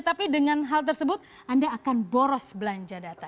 tapi dengan hal tersebut anda akan boros belanja data